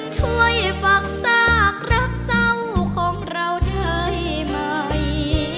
ช่วยฝากซากรักเศร้าของเราได้ไหม